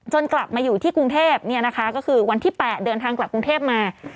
กลับมาอยู่ที่กรุงเทพก็คือวันที่๘เดินทางกลับกรุงเทพมา